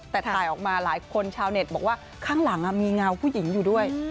แต่ถ่ายออกมาหลายคนชาวเน็ตบอกว่าข้างหลังมีเงาผู้หญิงอยู่ด้วย